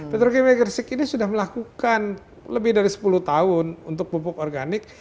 petrokemi gersik ini sudah melakukan lebih dari sepuluh tahun untuk pupuk organik